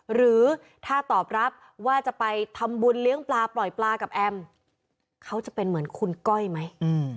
หรือถ้าตอบรับว่าจะไปทำบุญเลี้ยงปลาปล่อยปลากับแอมเขาจะเป็นเหมือนคุณก้อยไหม